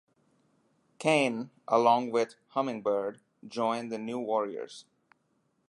Kaine along with Hummingbird join the New Warriors.